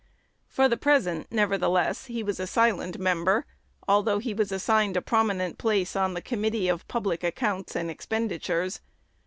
For the present, nevertheless, he was a silent member, although he was assigned a prominent place on the Committee on Public Accounts and Expenditures.